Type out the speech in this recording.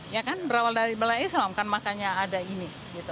ya kan berawal dari bela islam kan makanya ada ini